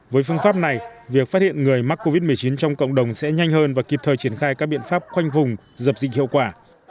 với phương pháp này việc phát hiện người mắc covid một mươi chín trong cộng đồng sẽ nhanh hơn và kịp thời triển khai các biện pháp khoanh vùng dập dịch hiệu quả